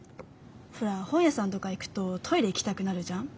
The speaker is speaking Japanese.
ほら本屋さんとか行くとトイレ行きたくなるじゃん？